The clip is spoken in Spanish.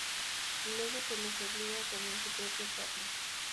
Luego se los obliga a comer su propia carne.